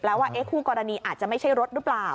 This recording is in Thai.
แปลว่าเอ๊ะคู่กรณีอาจจะไม่ใช่รถรึเปล่า